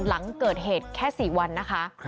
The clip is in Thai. หลังเกิดเหตุแค่๔วันนะคะ